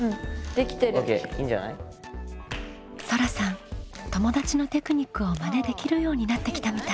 友達のテクニックをまねできるようになってきたみたい。